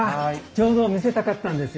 ちょうど見せたかったんですよ。